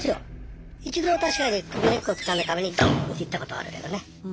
一度確かに首根っこつかんで壁にドンッていったことはあるけどね。